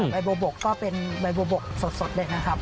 ใบบัวบกก็เป็นใบบัวบกสดเลยนะครับ